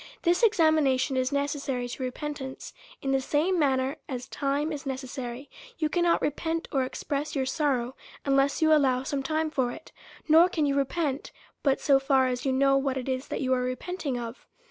This examination is necessary to repent ance in the same manner as time is necessary ; you cannot repent or express your sorrow, unless you al low some time for it ; nor can you repent, but so far as you know what it is that you are repenting of.